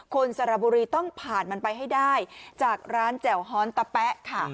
สระบุรีต้องผ่านมันไปให้ได้จากร้านแจ่วฮอนตะแป๊ะค่ะ